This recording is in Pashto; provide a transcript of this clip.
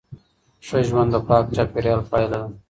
ښه ژوند د پاک چاپیریال پایله ده.